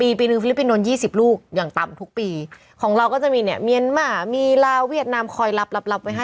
ปีปีหนึ่งฟิลิปินโดนยี่สิบลูกอย่างต่ำทุกปีของเราก็จะมีเนี้ยเมียนมามีลาวเวียดนามคอยรับรับรับไว้ฮะ